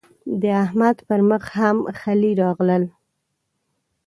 د احمد پر مخ هم خلي راغلل.